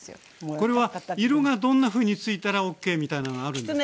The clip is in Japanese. これは色がどんなふうについたらＯＫみたいなのがあるんですか？